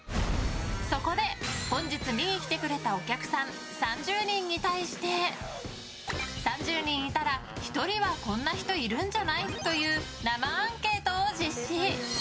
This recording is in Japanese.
そこで、本日見に来てくれたお客さん３０人に対して３０人いたら１人はこんな人いるんじゃない？という生アンケートを実施。